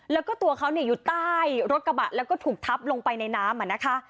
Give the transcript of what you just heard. แล้วก็ตัวเขาอยู่ใต้รถกระบะแล้วก็ถูกทับลงไปในน้ำนะคะ